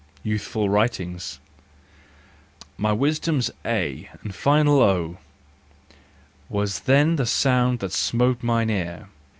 Youthful Writings . My wisdom's A and final O Was then the sound that smote mine ear.